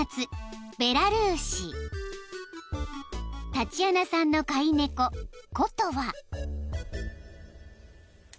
［タチアナさんの飼い猫コトは］